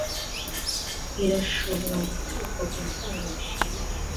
irashobora guturuka kubitanga bishimishije